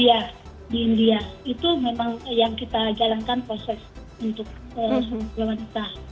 itu memang yang kita jalankan proses untuk wanita